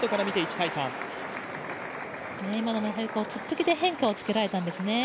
今のもつっつきで変化をつけられたんですね。